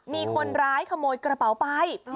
มีคนร้ายขโมยกระเป๋าไป